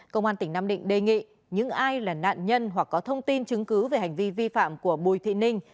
công an tỉnh nam định đề nghị những ai là nạn nhân hoặc có thông tin chứng cứ về hành vi vi phạm của bùi thị ninh